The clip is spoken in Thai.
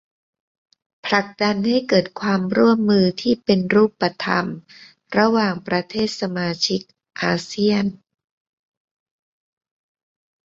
ผลักดันให้เกิดความร่วมมือที่เป็นรูปธรรมระหว่างประเทศสมาชิกอาเซียน